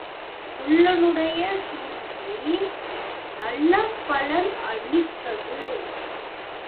குள்ளனுடைய சூழ்ச்சி நல்ல பலன் அளித்தது.